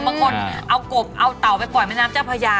บางคนเอากบเอาเต่าไปปล่อยแม่น้ำเจ้าพญา